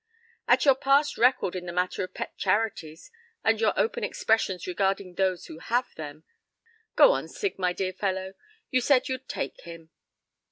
"At your past record in the matter of pet charities, and your open expressions regarding those who have them. Go on, Sig, my dear fellow. You said you'd take him."